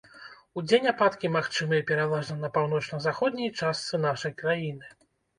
Удзень ападкі магчымыя пераважна на паўночна-заходняй частцы нашай краіны.